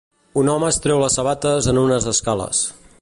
Un home es treu les sabates en unes escales